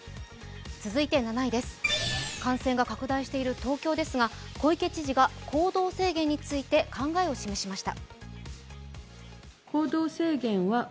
続いて７位です、感染が拡大している東京ですが小池知事が行動制限について考えを示しました。